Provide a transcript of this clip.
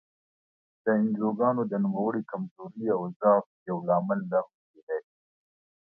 د انجوګانو د نوموړې کمزورۍ او ضعف یو لامل دا هم کېدای شي.